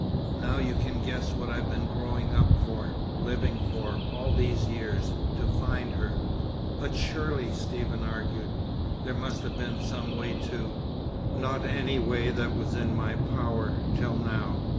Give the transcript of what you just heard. Now you can guess what I've been growing up for, living for, all these years. To find her." "But surely," Stephen argued, "there must have been some way to " "Not any way that was in my power, till now.